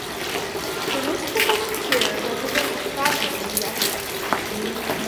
The list presented here represents a fragment of the record.